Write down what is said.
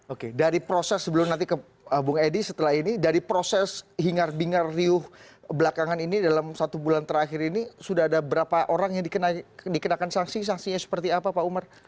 oke dari proses sebelum nanti ke bung edi setelah ini dari proses hingar bingar riuh belakangan ini dalam satu bulan terakhir ini sudah ada berapa orang yang dikenakan sanksi sanksinya seperti apa pak umar